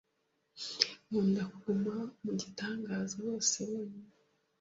Nkunda kuguma mu gitangaza; bose bonyine!